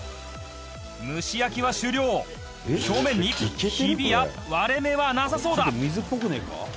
「蒸し焼きは終了」「表面にヒビや割れ目はなさそうだ」